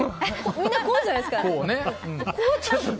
みんな、こうじゃないですか。